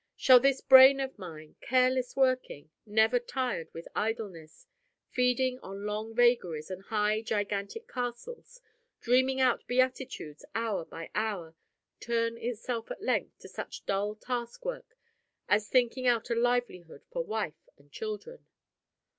Shall this brain of mine, careless working, never tired with idleness, feeding on long vagaries and high, gigantic castles, dreaming out beatitudes hour by hour turn itself at length to such dull task work as thinking out a livelihood for wife and children?